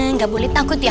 nggak boleh takut ya